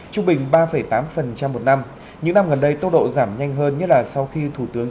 trung bình ba tám một năm những năm gần đây tốc độ giảm nhanh hơn nhất là sau khi thủ tướng